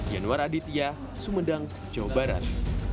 yanuar aditya sumedang jawa barat